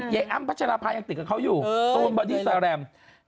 เย้อัมพระชรภายยังติดกับเขาอยู่ตรงบาร์ดี้สไลม์